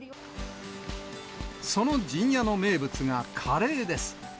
その陣屋の名物がカレーです。